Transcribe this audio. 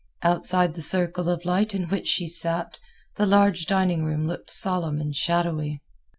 Outside the circle of light in which she sat, the large dining room looked solemn and shadowy.